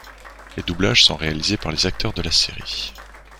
Les doublages sont réalisés par les acteurs de la série.